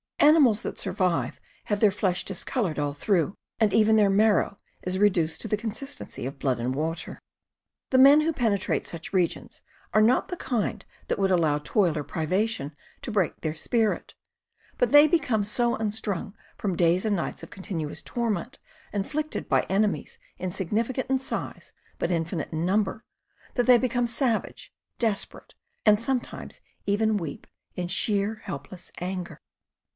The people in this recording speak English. Animals that survive have their flesh discolored all through, and even their marrow is reduced to the consistency of blood and water. The men who pene trate such regions are not the kind that would allow toil or privation to break their spirit, but they become so unstrung from days and nights of continuous tor ment inflicted by enemies insignificant in size but in finite in number, that they become savage, desperate, and sometimes even weep in sheer helpless anger.